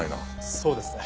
そうですね。